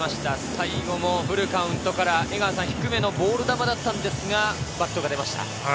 最後もフルカウントから江川さん、低めのボール球だったんですが、バットが出ました。